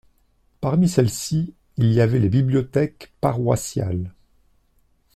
Parmi celles-ci, il y avait les bibliothèques paroissiales.